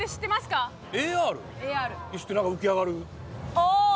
ああ！